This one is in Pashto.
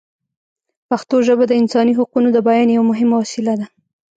پښتو ژبه د انساني حقونو د بیان یوه مهمه وسیله ده.